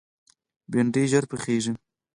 بېنډۍ ژر پخېږي